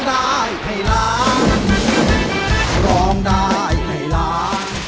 คุณตั้มร้องใจครับ